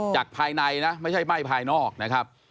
จากภายในนะไม่ใช่ไหม้ภายนอกนะครับ